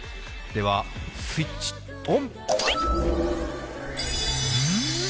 では、スイッチオン！